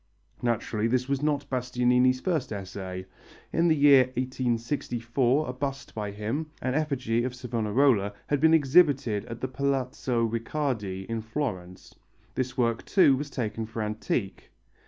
Naturally this was not Bastianini's first essay. In the year 1864 a bust by him, an effigy of Savonarola, had been exhibited at the Palazzo Riccardi in Florence. This work, too, was taken for antique.